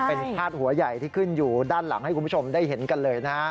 เป็นพาดหัวใหญ่ที่ขึ้นอยู่ด้านหลังให้คุณผู้ชมได้เห็นกันเลยนะฮะ